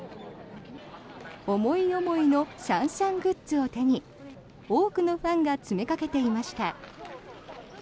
思い思いのシャンシャングッズを手に多くのファンが詰めかけていました。